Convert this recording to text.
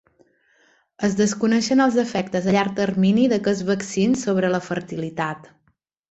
Es desconeixen els efectes a llarg termini d'aquests vaccins sobre la fertilitat.